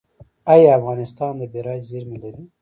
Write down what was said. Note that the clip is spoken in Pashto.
آیا افغانستان د بیرایت زیرمې لري؟